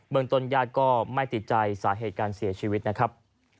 เมืองต้นญาติก็ไม่ติดใจสาเหตุการเสียชีวิตนะครับ